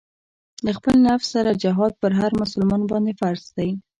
له خپل نفس سره جهاد پر هر مسلمان باندې فرض دی.